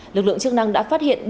lực lượng chức năng đã phát hiện